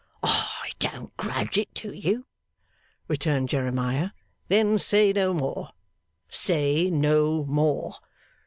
'I don't grudge it to you,' returned Jeremiah. 'Then say no more. Say no more.